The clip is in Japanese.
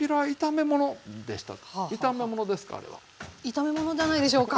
炒め物じゃないでしょうか。